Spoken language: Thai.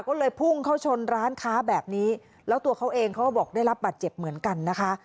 ก็เลยพุ่งเข้าชนร้านค้าแบบนี้แล้วตัวเขาเองเขาก็บอกได้รับบัตรเจ็บเหมือนกันนะคะ